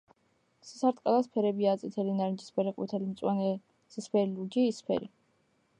ცისარტყელას ფერებია: წითელი ნარინჯისფერი ყვითელი მწვანე ცისფერი ლურჯი იისფერი